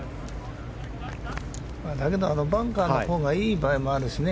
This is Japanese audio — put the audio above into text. バンカーのほうがいい場合もあるしね。